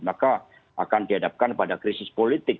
maka akan dihadapkan pada krisis politik